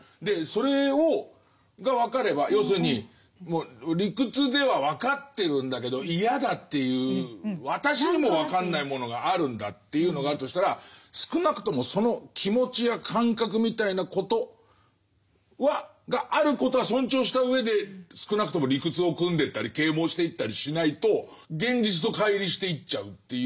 それが分かれば要するに理屈では分かってるんだけど嫌だっていう私にも分かんないものがあるんだっていうのがあるとしたら少なくともその気持ちや感覚みたいなことがあることは尊重した上で少なくとも理屈をくんでったり啓蒙していったりしないと現実と乖離していっちゃうっていうこと？